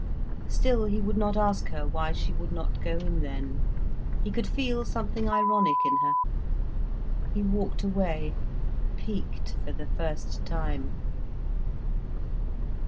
Still he would not ask her why she would not go in then. He could feel something ironic in her. He walked away, piqued for the first time.